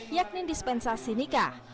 yakni dispensa sinikah